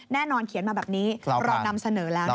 แน่นอนเขียนมาแบบนี้เรานำเสนอแล้วนะคะ